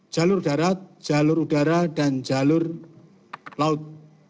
jalur darat jalur udara dan jalur laut